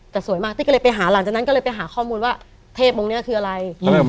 แต่สวยมากตี้ก็เลยไปหาหลังจากนั้นก็เลยไปหาข้อมูลว่าเทพองค์นี้คืออะไร